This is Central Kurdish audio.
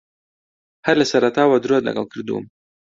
ھەر لە سەرەتاوە درۆت لەگەڵ کردووم.